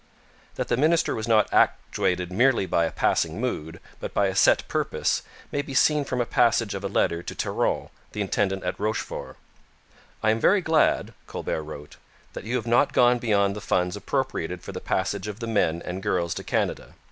That the minister was not actuated merely by a passing mood, but by a set purpose, may be seen from a passage of a letter to Terron, the intendant at Rochefort: 'I am very glad,' Colbert wrote, 'that you have not gone beyond the funds appropriated for the passage of the men and girls to Canada.